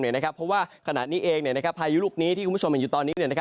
เพราะว่าขณะนี้เองพายุลูกนี้ที่คุณผู้ชมเห็นอยู่ตอนนี้